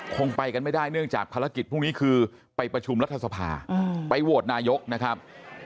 คงไปกันไม่ได้เนื่องจากภารกิจพรุ่งนี้คือไปประชุมรัฐสภาไปโหวตนายกนะครับ